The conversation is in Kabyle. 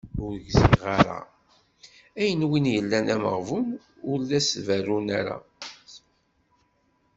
Ur gziɣ ara! Ayen win yellan d ameɣbun, ur d as-tberru ara.